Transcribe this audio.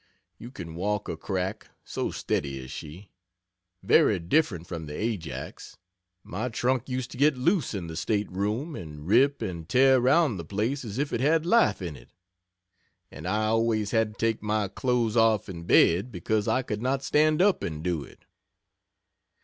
You can walk a crack, so steady is she. Very different from the Ajax. My trunk used to get loose in the stateroom and rip and tear around the place as if it had life in it, and I always had to take my clothes off in bed because I could not stand up and do it.